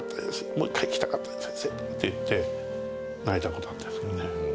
「もう１回行きたかったです先生」って言って泣いた事があったんですけどね。